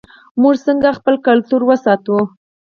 موږ څنګه خپل کلتور ساتو؟